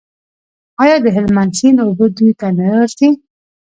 آیا د هلمند سیند اوبه دوی ته نه ورځي؟